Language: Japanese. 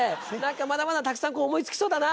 まだまだたくさん思い付きそうだな！